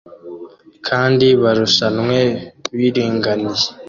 kandi barushanwe biringaniye